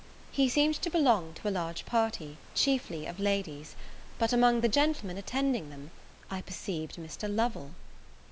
He seemed to belong to a large party, chiefly of ladies; but, among the gentlemen attending them, I perceived Mr. Lovel.